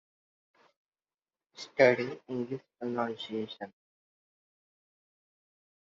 Studying English pronunciation